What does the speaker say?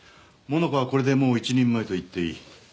モナコはこれでもう一人前と言っていい。